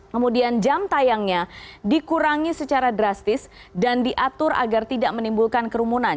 kemudian jam tayangnya dikurangi secara drastis dan diatur agar tidak menimbulkan kerumunan